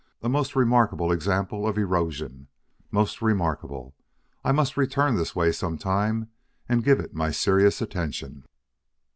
A most remarkable example of erosion most remarkable! I must return this way some time and give it my serious attention."